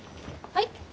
はい？